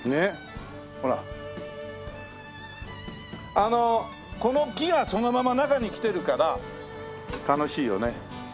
あのこの木がそのまま中に来てるから楽しいよね。